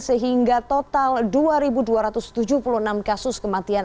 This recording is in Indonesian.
sehingga total dua dua ratus tujuh puluh enam kasus kematian